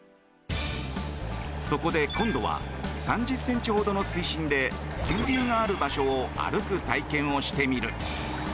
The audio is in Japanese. そこで今度は３０ｃｍほどの水深で水流がある場所を歩く体験をしてみる。